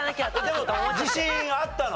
でも自信あったの？